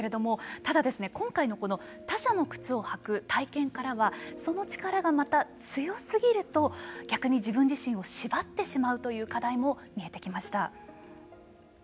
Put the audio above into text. ただ今回の他者の靴を履く体験からはその力がまた強すぎると逆に自分自身を縛ってしまうという課題も見えてきました。